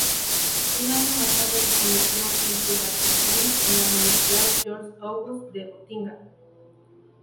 Un año más tarde, se convirtió en privatdozent en la Universidad Georg-August de Gotinga.